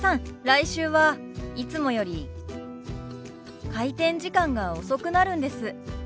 来週はいつもより開店時間が遅くなるんです。